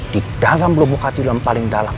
di dalam lubuk hati lo yang paling dalang